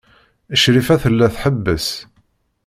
Crifa tella tḥebbes.